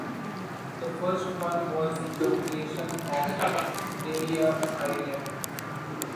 The first one was the creation of Deira Island.